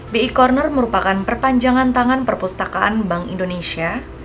bi corner merupakan perpanjangan tangan perpustakaan bank indonesia